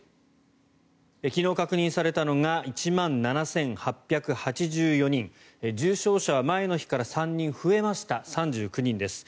昨日確認されたのが１万７８８４人重症者は前の日から３人増えて３９人です。